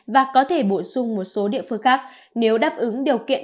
và có thể bổ sung một số địa phương khác nếu đáp ứng điều kiện